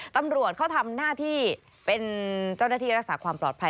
ตำรวจเขาทำหน้าที่เป็นเจ้าหน้าที่รักษาความปลอดภัย